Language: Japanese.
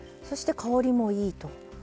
そして香りもいいと。